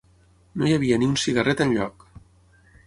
No hi havia ni un cigarret enlloc